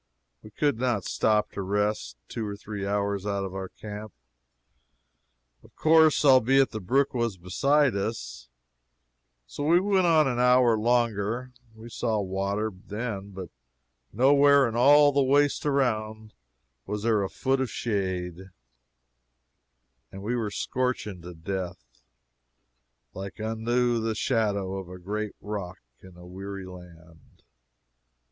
We could not stop to rest two or three hours out from our camp, of course, albeit the brook was beside us. So we went on an hour longer. We saw water, then, but nowhere in all the waste around was there a foot of shade, and we were scorching to death. "Like unto the shadow of a great rock in a weary land."